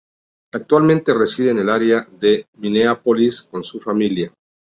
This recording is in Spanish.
Actualmente reside en el área de Minneapolis con su familia.